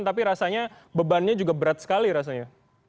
tapi rasanya bebannya juga berat sekali rasanya